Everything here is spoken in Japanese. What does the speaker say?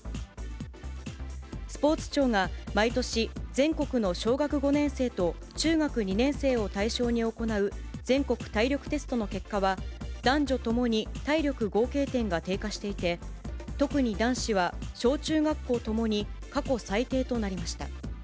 スポーツ庁が毎年、全国の小学５年生と中学２年生を対象に行う全国体力テストの結果は、男女ともに体力合計点が低下していて、特に男子は、小中学校ともに過去最低となりました。